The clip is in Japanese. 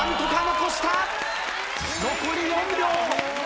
残り４秒。